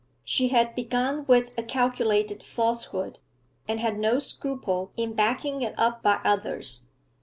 She had begun with a calculated falsehood, and had no scruple in backing it up by others.